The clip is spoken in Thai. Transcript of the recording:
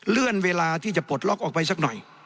เลื่อนเวลาที่จะปลดล็อกออกไปสักหน่อย